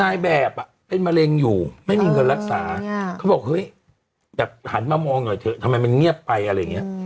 นายแบบเป็นมะเร็งอยู่ไม่มีเงินรักษาเขาบอกเฮ้ยแต่หันมามองหน่อยเถอะทำไมมันเงียบไปอะไรอย่างนี้